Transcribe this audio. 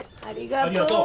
ありがとう。